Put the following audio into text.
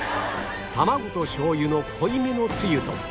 卵としょう油の濃いめのつゆと